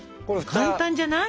簡単じゃない？